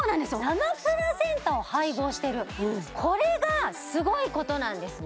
生プラセンタを配合してるこれがすごいことなんですね